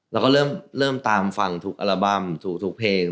เราก็เริ่มตามฟังทุกอัลบั้มทุกเพลง